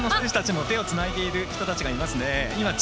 日本の選手たちも手をつないでいる人たちがいます。